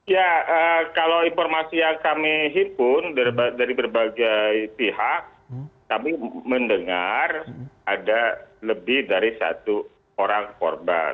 ya kalau informasi yang kami himpun dari berbagai pihak kami mendengar ada lebih dari satu orang korban